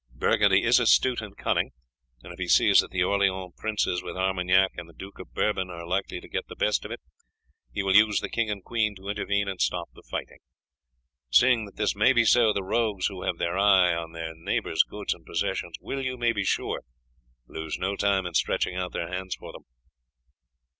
Burgundy is astute and cunning, and if he sees that the Orleans princes with Armagnac and the Duke of Bourbon are likely to get the best of it, he will use the king and queen to intervene and stop the fighting. Seeing that this may be so, the rogues who have their eye on their neighbours' goods and possessions will, you may be sure, lose no time in stretching out their hands for them."